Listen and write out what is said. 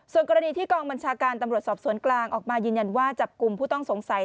ส่วนกรณีที่กองบัญชาการตำรวจสอบสวนกลางออกมายืนยันว่าจับกลุ่มผู้ต้องสงสัย